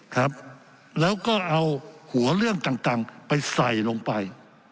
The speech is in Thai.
ครับแล้วก็เอาหัวเรื่องต่างต่างไปใส่ลงไป